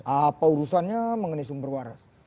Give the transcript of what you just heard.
apa urusannya mengenai sumber waras